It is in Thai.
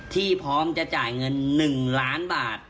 ที่พร้อมจะจ่ายเงิน๑ล้านบาท